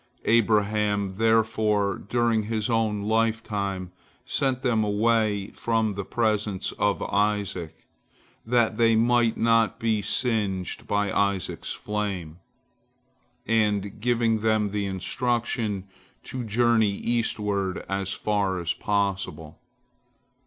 Abraham, therefore, during his own lifetime, sent them away from the presence of Isaac, that they might not be singed by Isaac's flame, and gave them the instruction to journey eastward as far as possible.